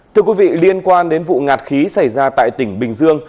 thưa quý vị liên quan đến vụ ngạt khí xảy ra tại tỉnh bình dương